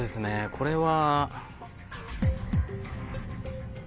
これは。